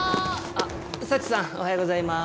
あ佐知さんおはようございます。